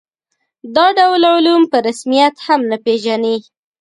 دا ډول علوم په رسمیت هم نه پېژني.